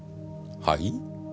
はい？